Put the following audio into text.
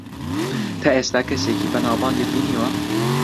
تا ئێستا کەسێکی بەناوبانگت بینیوە؟